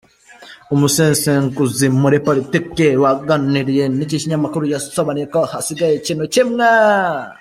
Umusesenguzi muri Politiki waganiriye n’iki kinyamakuru yasobanuye ko hasigaye ikintu kimwe.